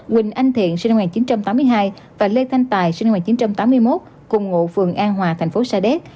quỳnh anh thiện sinh năm một nghìn chín trăm tám mươi hai và lê thanh tài sinh năm một nghìn chín trăm tám mươi một cùng ngụ phường an hòa thành phố sa đéc